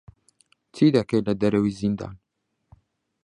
چی دەکەیت لە دەرەوەی زیندان؟